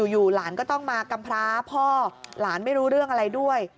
อยู่หลานก็ต้องมากำพร้าพ่อหลานไม่รู้เรื่องอะไรด้วย